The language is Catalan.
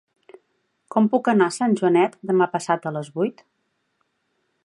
Com puc anar a Sant Joanet demà passat a les vuit?